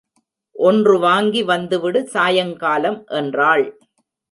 ஒன்று வாங்கி வந்துவிடு சாயங்காலம் என்றாள்.